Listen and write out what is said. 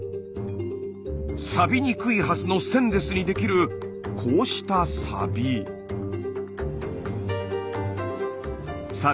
サビにくいはずのステンレスにできるこうしたサビ。